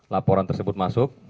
laporan tersebut masuk